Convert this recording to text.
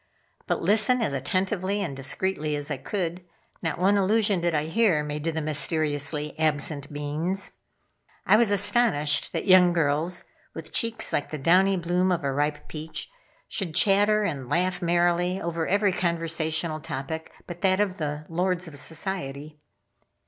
But listen as attentively and discreetly as I could, not one allusion did I hear made to the mysteriously absent beings. I was astonished that young girls, with cheeks like the downy bloom of a ripe peach, should chatter and laugh merrily over every conversational topic but that of the lords of society.